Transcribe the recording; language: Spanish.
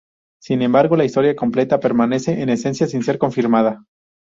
Sin embargo, la historia completa permanece en esencia sin ser confirmada.